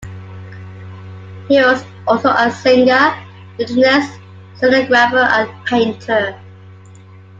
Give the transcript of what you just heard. He was also a singer, lutenist, scenographer and painter.